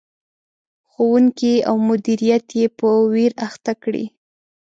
ښوونکي او مدیریت یې په ویر اخته کړي.